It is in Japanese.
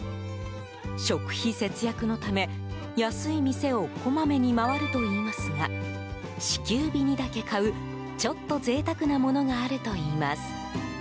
食費節約のため、安い店をこまめに回るといいますが支給日にだけ買うちょっと贅沢なものがあるといいます。